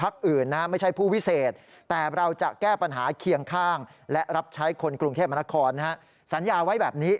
เคียงข้างและรับใช้คนกรุงเทพมหานครสัญญาไว้แบบนี้